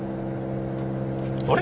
あれ？